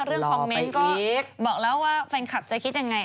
เรื่องคอมเมนต์ก็บอกแล้วว่าแฟนคลับจะคิดยังไง